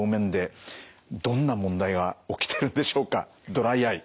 ドライアイ。